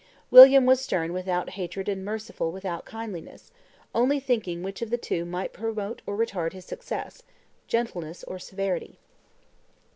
William was stern without hatred and merciful without kindliness, only thinking which of the two might promote or retard his success, gentleness or severity.